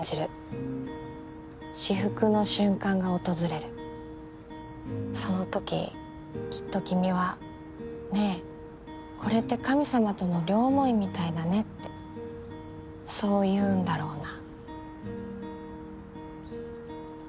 「至福の瞬間が訪れる」「その時きっときみはねえこれって神様との両思いみたいだねってそう言うんだろうな」